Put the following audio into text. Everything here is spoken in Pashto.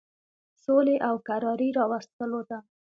سولي او کراري راوستلو ته.